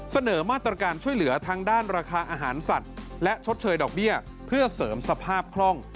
เสนอมาตรการช่วยเหลือทางด้านราคาอาหารสัตว์และชดเชยดอกเบี้ยเพื่อเสริมสภาพคล่อง